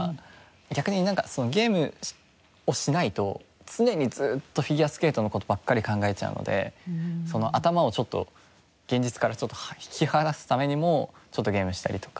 逆になんかゲームをしないと常にずっとフィギュアスケートの事ばかり考えちゃうので頭をちょっと現実から引き離すためにもちょっとゲームしたりとか。